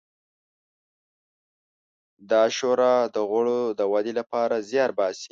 دا شورا د غړو د ودې لپاره زیار باسي.